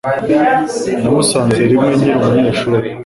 Namusanze rimwe nkiri umunyeshuri.